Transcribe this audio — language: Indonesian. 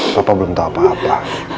bapak belum tahu apa apa